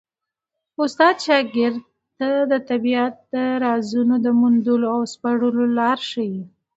استاد شاګرد ته د طبیعت د رازونو د موندلو او سپړلو لاره ښيي.